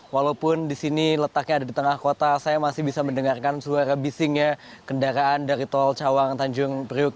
walaupun di sini letaknya ada di tengah kota saya masih bisa mendengarkan suara bisingnya kendaraan dari tol cawang tanjung priuk